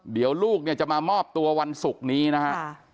เดี๋ยวลูกเนี่ยจะมามอบตัววันศุกร์นี้นะฮะ